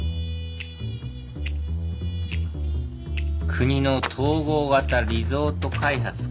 国の統合型リゾート開発か。